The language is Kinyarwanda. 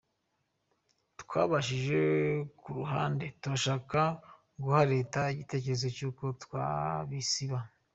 Twabashyize ku ruhande turashaka guha Leta igitekerezo cy’uko twabisiba.